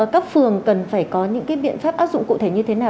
các phường cần phải có những biện pháp áp dụng cụ thể như thế nào